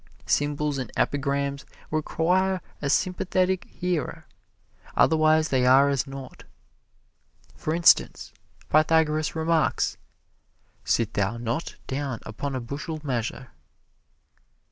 Symbols and epigrams require a sympathetic hearer, otherwise they are as naught. For instance, Pythagoras remarks, "Sit thou not down upon a bushel measure."